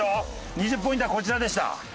２０ポイントはこちらでした。